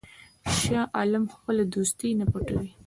شاه عالم خپله دوستي نه پټوي.